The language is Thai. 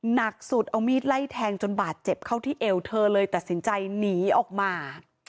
หนักสุดเอามีดไล่แทงจนบาดเจ็บเข้าที่เอวเธอเลยตัดสินใจหนีออกมา